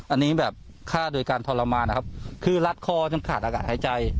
อันนี้ฆ่าโดยการทรมานคือลัดคอจนขาดอากาศหายใจ